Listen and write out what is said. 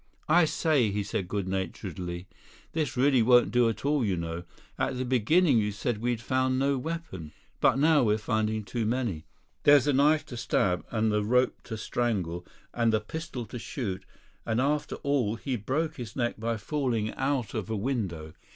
"I say," he said good naturedly, "this really won't do at all, you know. At the beginning you said we'd found no weapon. But now we're finding too many; there's the knife to stab, and the rope to strangle, and the pistol to shoot; and after all he broke his neck by falling out of a window!